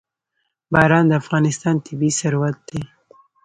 باران د افغانستان طبعي ثروت دی.